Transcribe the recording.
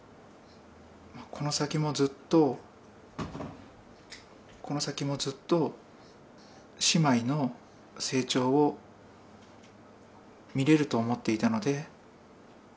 この先もずっと、この先もずっと、姉妹の成長を見れると思っていたので。